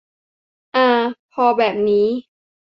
อา พอแบบนี้